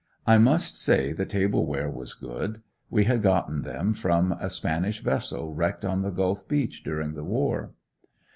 I must say the table ware was good; we had gotten them from a Spanish vessel wrecked on the Gulf beach during the war.